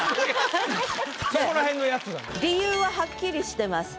理由ははっきりしてます。